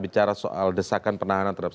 bicara soal desakan penahanan terhadap